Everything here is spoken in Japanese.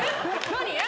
何？